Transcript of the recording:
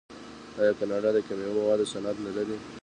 آیا کاناډا د کیمیاوي موادو صنعت نلري؟